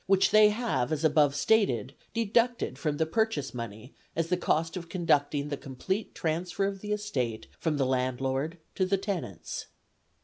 which they have, as above stated, deducted from the purchase money as the cost of conducting the complete transfer of the estate from the landlord to the tenants.